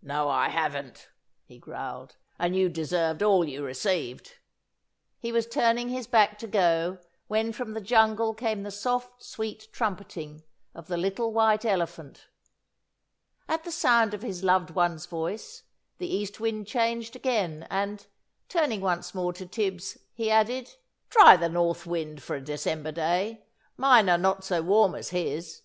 "No, I haven't," he growled, "and you deserved all you received!" He was turning his back to go, when from the jungle came the soft, sweet trumpeting of the little White Elephant. At the sound of his loved one's voice the East Wind changed again, and, turning once more to Tibbs, he added: "Try the North Wind for a December day, mine are not so warm as his."